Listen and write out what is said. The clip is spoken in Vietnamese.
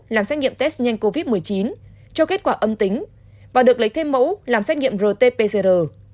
làm xét nghiệm test nhanh covid một mươi chín cho kết quả âm tính và được lấy thêm mẫu làm xét nghiệm rt pcr